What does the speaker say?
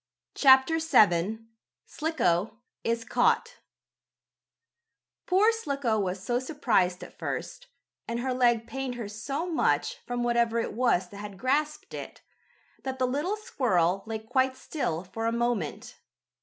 CHAPTER VII SLICKO IS CAUGHT Poor Slicko was so surprised at first, and her leg pained her so much, from whatever it was that had grasped it, that the little squirrel lay quite still for a moment.